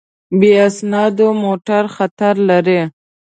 بې اسنادو موټر خطر لري.